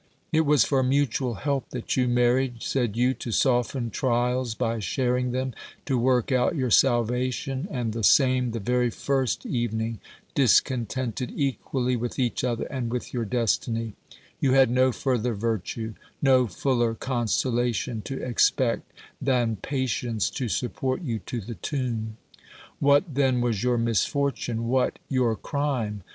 It was for mutual help that you married, said you, to soften trials by sharing them, to work out your salvation, and the same, the very first evening, dis contented equally with each other and with your destiny ; you had no further virtue, no fuller consolation to expect, than patience to support you to the tomb. What then was your misforlune, what your crime